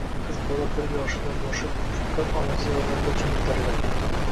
Qiz bola bir yoshidan boshlab faqat onasi yordamida cho‘miltiriladi.